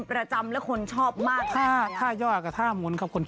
แค่เอาแม่นกมากก็หมวดค่ะ